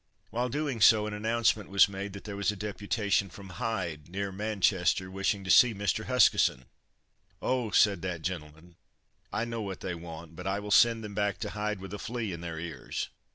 While doing so an announcement was made that there was a deputation from Hyde, near Manchester, wishing to see Mr. Huskisson. "Oh!" said that gentleman, "I know what they want; but I will send them back to Hyde with a flea in their ears!"